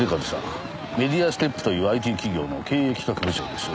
メディアステップというＩＴ企業の経営企画部長です。